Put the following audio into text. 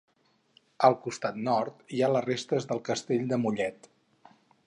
Al costat nord hi ha les restes del Castell de Mollet.